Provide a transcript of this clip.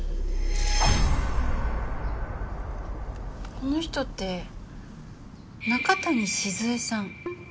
この人って中谷静江さん。